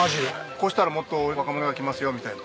こうしたらもっと若者が来ますよみたいな。